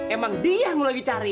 emang dia yang lagi cari